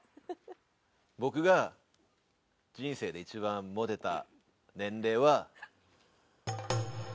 僕が人生で一番モテた年齢は。